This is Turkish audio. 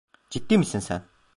Ciddi misin sen?